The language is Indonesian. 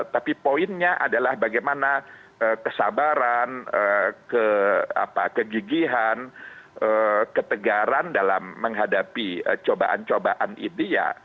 tapi poinnya adalah bagaimana kesabaran kegigihan ketegaran dalam menghadapi cobaan cobaan itu ya